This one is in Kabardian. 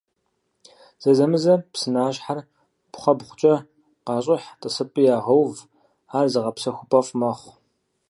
Зэзэмызэ псынащхьэр пхъэмбгъукӀэ къащӀыхь, тӀысыпӀи ягъэув, ар зыгъэпсэхупӀэфӀ мэхъу.